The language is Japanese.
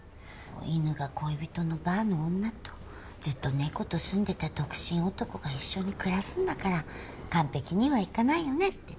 犬が恋人のバーの女とずっと猫と住んでた独身男が一緒に暮らすんだから完璧にはいかないよねって。